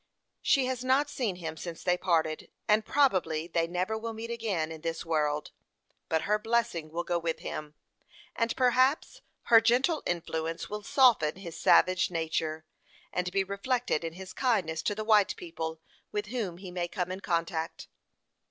She has not seen him since they parted, and probably they never will meet again in this world; but her blessing will go with him, and perhaps her gentle influence will soften his savage nature, and be reflected in his kindness to the white people with whom he may come in contact.